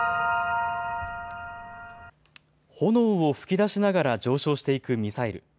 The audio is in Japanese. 炎を噴き出しながら上昇していくミサイル。